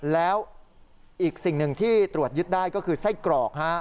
แล้วอีกสิ่งหนึ่งที่ตรวจยึดได้ก็คือไส้กรอก